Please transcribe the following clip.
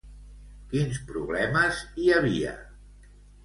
Quins problemes hi havia?